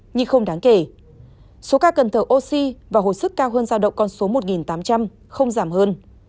nhưng không đáng kể số ca cần thở oxy và hồi sức cao hơn giao động con số một tám trăm linh không giảm hơn